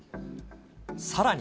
さらに。